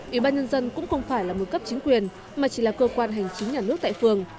ủy ban nhân dân cũng không phải là một cấp chính quyền mà chỉ là cơ quan hành chính nhà nước tại phường